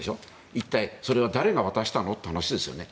一体それは誰が渡したの？って話ですよね。